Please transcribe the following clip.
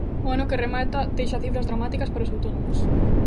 O ano que remata deixa cifras dramáticas para os autónomos.